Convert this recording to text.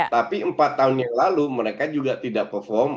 tapi empat tahun yang lalu mereka juga tidak perform